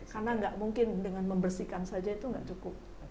karena nggak mungkin dengan membersihkan saja itu nggak cukup